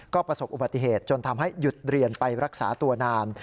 ก็ประสบอุบัติเหตุจนทำให้หยุดเรียนไปรักษาตัวนาน